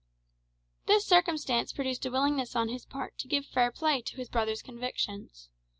This circumstance produced a willingness on his part to give fair play to his brother's convictions.